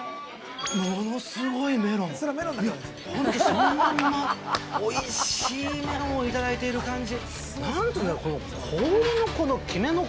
そのまんま、おいしいメロンをいただいている感じ。